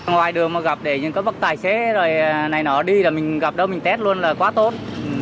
ngoài đường mà gặp những tài xế này nó đi mình gặp đâu mình test luôn là quá tốt